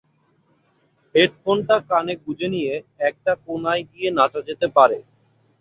হেডফোনটা কানে গুজে নিয়ে, একটা কোণায় গিয়ে নাচা যেতে পারে।